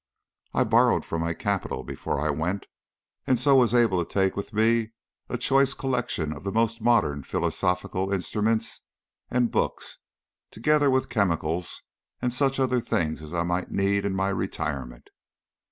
I borrowed from my capital before I went, and so was able to take with me a choice collection of the most modern philosophical instruments and books, together with chemicals and such other things as I might need in my retirement.